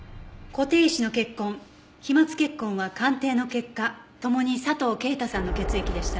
固定石の血痕飛沫血痕は鑑定の結果共に佐藤啓太さんの血液でした。